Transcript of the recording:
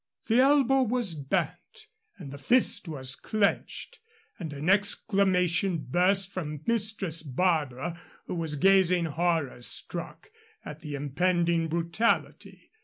The elbow was bent and the fist was clinched, and an exclamation burst from Mistress Barbara, who was gazing horror struck at the impending brutality.